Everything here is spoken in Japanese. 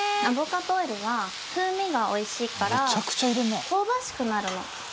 アボカドオイルは風味がおいしいから香ばしくなるの。